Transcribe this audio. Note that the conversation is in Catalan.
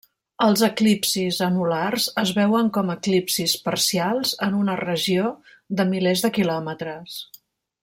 Els eclipsis anulars es veuen com eclipsis parcials en una regió de milers de quilòmetres.